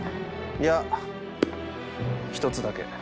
いや一つだけ。